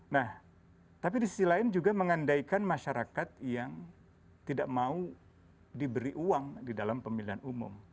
nah tapi di sisi lain juga mengandaikan masyarakat yang tidak mau diberi uang di dalam pemilihan umum